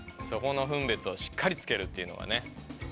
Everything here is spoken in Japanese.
そこのふんべつをしっかりつけるっていうのがね